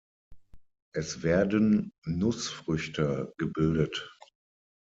Es werden Nussfrüchte gebildet.